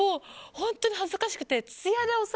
本当に恥ずかしくて。